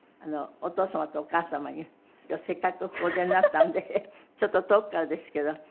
お父様とお母様に今日せっかくお出になったんでちょっと遠くからですけど。